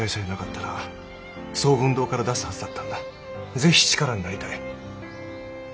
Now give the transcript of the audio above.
是非力になりたい。